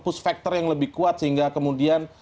push factor yang lebih kuat sehingga kemudian